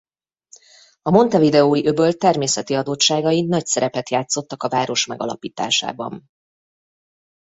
A Montevideói-öböl természeti adottságai nagy szerepet játszottak a város megalapításában.